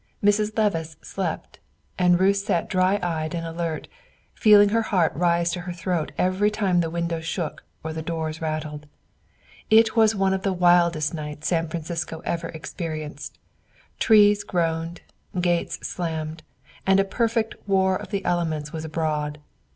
Mrs. Levice slept; and Ruth sat dry eyed and alert, feeling her heart rise to her throat every time the windows shook or the doors rattled. It was one of the wildest nights San Francisco ever experienced; trees groaned, gates slammed, and a perfect war of the elements was abroad.